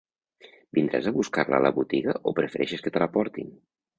Vindràs a buscar-la a la botiga o prefereixes que te la portin?